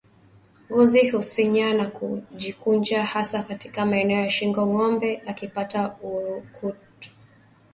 Ngozi husinyaa na kujikunja hasa katika maeneo ya shingo ngombe akipata ukurutu